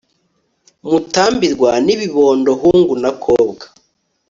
mutambirwa n'ibibondo hungu n'akobwa